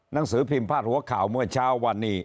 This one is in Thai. หนังสือพิมพ์พาดหัวข่าวเมื่อเช้าวันนี้